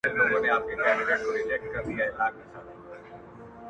د ملګري یې سلا خوښه سوه ډېره،